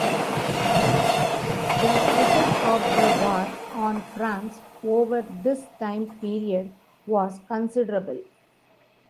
The effect of the war on France over this time period was considerable.